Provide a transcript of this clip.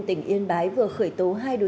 tỉnh yên bái vừa khởi tố hai đối tượng